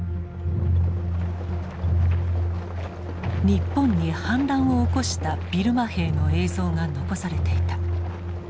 日本に反乱を起こしたビルマ兵の映像が残されていた。